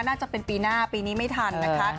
น่าจะเป็นปีหน้าปีนี้ไม่ทันนะคะ